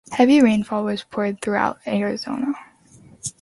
Heavy rainfall was reported throughout Arizona.